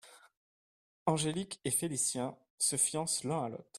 Angélique et Félicien se fiancent l'un à l'autre.